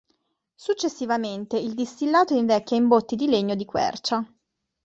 Successivamente, il distillato invecchia in botti di legno di quercia.